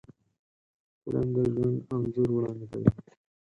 فلم د ژوند انځور وړاندې کوي